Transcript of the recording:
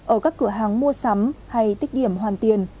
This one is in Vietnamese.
ở các cửa hàng mua sắm hay tích điểm hoàn tiền